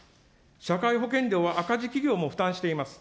社会保険料は赤字企業も負担しています。